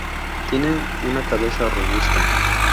Tienen una cabeza robusta.